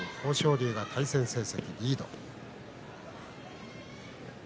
龍が対戦成績リード。